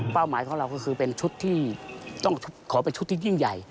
หมายของเราก็คือเป็นชุดที่ต้องขอเป็นชุดที่ยิ่งใหญ่